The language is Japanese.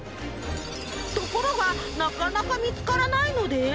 ところがなかなか見つからないので。